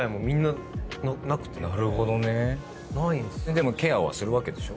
でもケアはするわけでしょ？